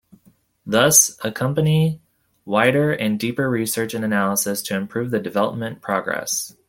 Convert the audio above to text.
Thus, accompany wider and deeper research and analysis to improve the development progress.